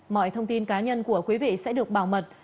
mọi thông tin cá nhân của quý vị sẽ được bảo mật